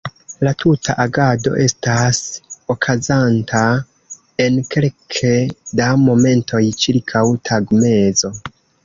La tuta agado estas okazanta en kelke da momentoj ĉirkaŭ tagmezo.